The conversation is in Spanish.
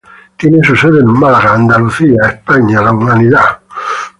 Tiene su sede en Málaga, Andalucía, España.